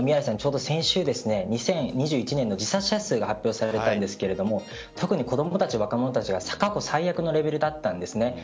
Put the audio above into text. ちょうど先週、２０２１年の自殺者数が発表されたんですが特に子供たち、若者たちが過去最悪のレベルだったんです。